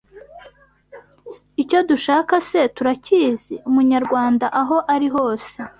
Icyo dushaka se turacyizi Umunyarwanda aho ari hose